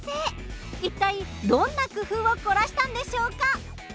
一体どんな工夫を凝らしたんでしょうか？